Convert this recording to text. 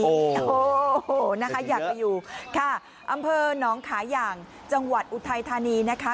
โอ้โหนะคะอยากไปอยู่ค่ะอำเภอน้องขาย่างจังหวัดอุทัยธานีนะคะ